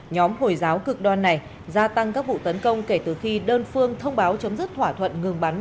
nhóm hồi giáo cực đoan này gia tăng các vụ tấn công kể từ khi đơn phương thông báo chấm dứt thỏa thuận ngừng bắn